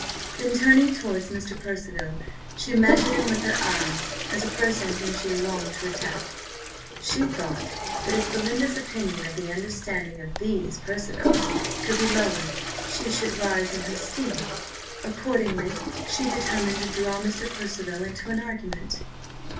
Then turning towards Mr. Percival, she measured him with her eye, as a person whom she longed to attack. She thought, that if Belinda's opinion of the understanding of these Percivals could be lowered, she should rise in her esteem: accordingly, she determined to draw Mr. Percival into an argument.